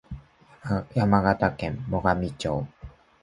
山形県最上町